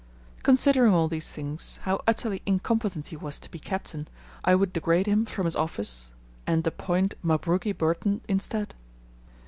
Considering all these things, how utterly incompetent he was to be captain, I would degrade him from his office and appoint Mabruki Burton instead.